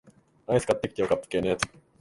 アイス買ってきてよ、カップ系のやつ